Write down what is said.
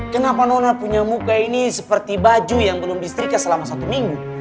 kenapa nona punya muka ini seperti baju yang belum disetrika selama satu minggu